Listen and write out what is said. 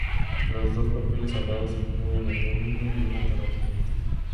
Los dos papeles hablados incluyen el de un niño y un terrateniente.